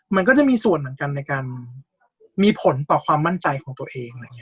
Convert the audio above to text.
มันก็จะมีส่วนเหมือนกันในการมีผลต่อความมั่นใจของตัวเอง